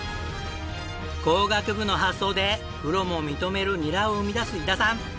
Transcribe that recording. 工学部の発想でプロも認めるニラを生み出す伊田さん。